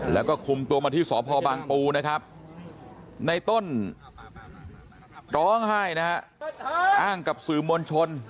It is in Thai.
แล้วก็คุมตัวมาที่สพบางปูนะครับในต้นร้องไห้นะฮะอ้างกับสื่อมวลชน